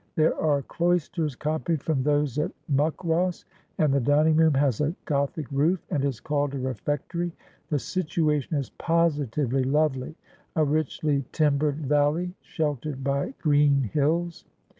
There are cloisters copied from those at Muckross, and the dining room has a Gothic roof, and is called a refectory. The situation is positively lovely : a richly timbered valley, sheltered by green hills.'